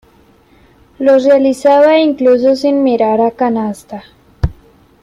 Los realizaba incluso sin mirar a canasta.